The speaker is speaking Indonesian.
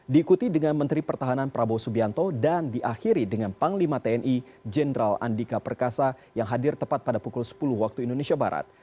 diikuti dengan menteri pertahanan prabowo subianto dan diakhiri dengan panglima tni jenderal andika perkasa yang hadir tepat pada pukul sepuluh waktu indonesia barat